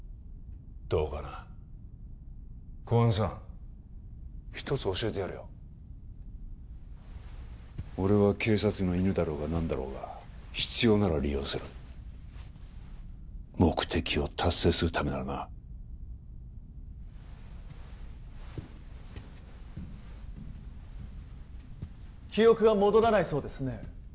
どうかな公安さん一つ教えてやるよ俺は警察の犬だろうが何だろうが必要なら利用する目的を達成するためならな記憶が戻らないそうですね